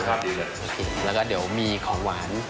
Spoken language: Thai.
แล้วก็เดี๋ยวมีของหวาน